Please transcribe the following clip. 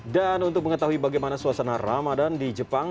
dan untuk mengetahui bagaimana suasana ramadan di jepang